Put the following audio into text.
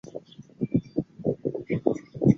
其余亲建制议员皆投赞成票。